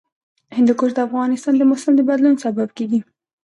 هندوکش د افغانستان د موسم د بدلون سبب کېږي.